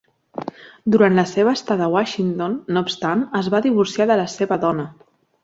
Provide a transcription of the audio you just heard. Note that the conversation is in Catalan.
Durant la seva estada a Washington, no obstant, es va divorciar de la seva dona.